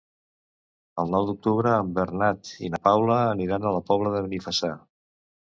El nou d'octubre en Bernat i na Paula aniran a la Pobla de Benifassà.